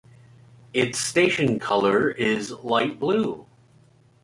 Its station colour is light blue.